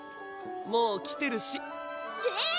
もう来てるし「えぇ？